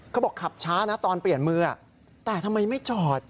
เขาบอกขับช้านะตอนเปลี่ยนมือแต่ทำไมไม่จอด